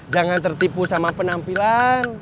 jangan tertipu sama penampilan